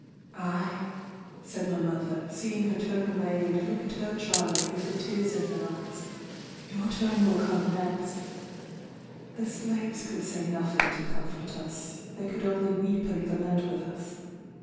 "Ay!" said my mother, seeing her turn away and look at her child with the tears in her eyes, "your turn will come next." The slaves could say nothing to comfort us; they could only weep and lament with us.